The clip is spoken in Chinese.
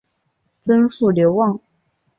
曾祖父刘旺。